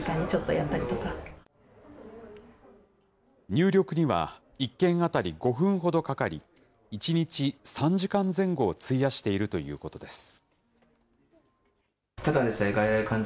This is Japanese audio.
入力には、１件当たり５分ほどかかり、１日３時間前後を費やしているということです。